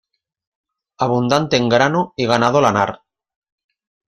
Abundante en grano y ganado lanar.